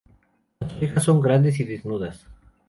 Las orejas son grandes y desnudas.